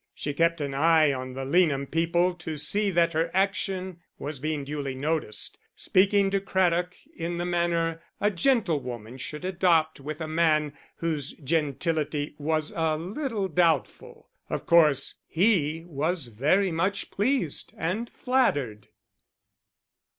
She kept an eye on the Leanham people to see that her action was being duly noticed, speaking to Craddock in the manner a gentlewoman should adopt with a man whose gentility was a little doubtful. Of course he was very much pleased and flattered.